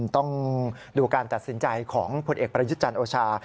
ต้องดูการตัดสินใจของผลเอกประยุทธ์จันทร์โอชา